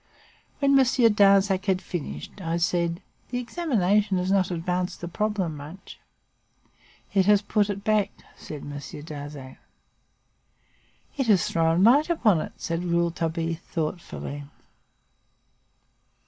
When Monsieur Darzac had finished, I said: "The examination has not advanced the problem much." "It has put it back," said Monsieur Darzac. "It has thrown light upon it," said Rouletabille, thoughtfully.